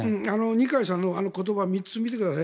二階さんの言葉３つ見てください。